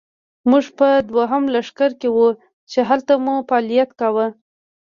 موږ په دوهم لښکر کې وو، چې هلته مو فعالیت کاوه.